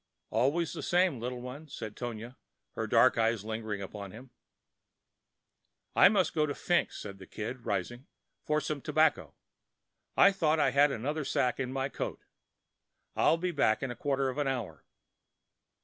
"Always the same, little one," said Tonia, her dark eyes lingering upon him. "I must go over to Fink's," said the Kid, rising, "for some tobacco. I thought I had another sack in my coat. I'll be back in a quarter of an hour."